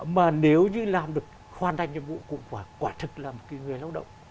mà nếu như làm được hoàn thành nhiệm vụ cũng quả thực là một người lao động